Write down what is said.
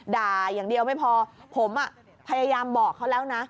ด่าอย่างเดียวไม่พอผมพยายามบอกเขาแล้วนะ